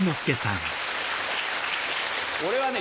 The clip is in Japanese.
俺はね